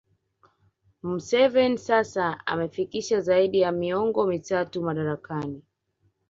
Museveni sasa amefikisha zaidi ya miongo mitatu madarakani